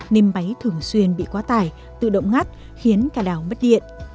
nên máy thường xuyên bị quá tải tự động ngắt khiến cả đảo mất điện